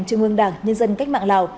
trung ương đảng nhân dân cách mạng lào